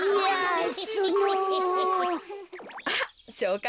あっしょうかいするわ。